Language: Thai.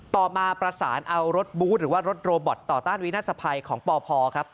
ต่อมาประสานเอารถบูธหรือว่ารถโรบอตต่อต้านวินาศภัยของปพครับ